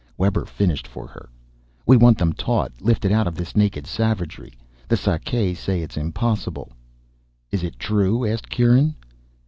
Webber finished for her. "We want them taught, lifted out of this naked savagery. The Sakae say it's impossible." "Is it true?" asked Kieran.